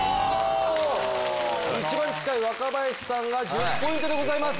一番近い若林さんが１０ポイントでございます。